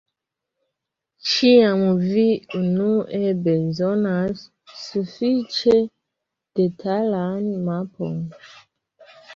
Ĉiam vi unue bezonas sufiĉe detalan mapon.